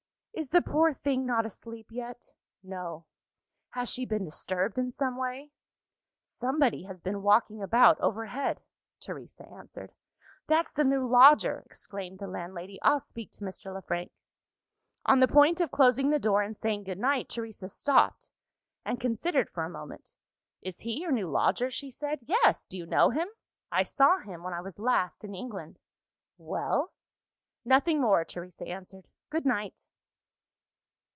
"Is the poor thing not asleep yet?" "No." "Has she been disturbed in some way?" "Somebody has been walking about, overhead," Teresa answered. "That's the new lodger!" exclaimed the landlady. "I'll speak to Mr. Le Frank." On the point of closing the door, and saying good night, Teresa stopped, and considered for a moment. "Is he your new lodger?" she said. "Yes. Do you know him?" "I saw him when I was last in England." "Well?" "Nothing more," Teresa answered. "Good night!"